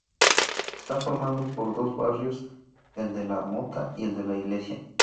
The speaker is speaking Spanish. Está formado por dos barrios; el de la Mota y el de la Iglesia.